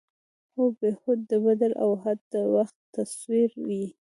هو بهو د بدر او اُحد د وخت تصویر یې.